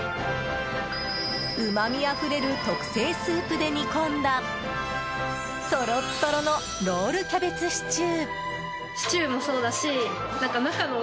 うまみあふれる特製スープで煮込んだとろっとろのロールキャベツシチュー。